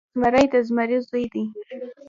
زمری د زمري زوی دی.